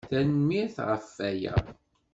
Tanemmirt ɣef waya.